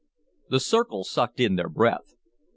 The circle sucked in their breath.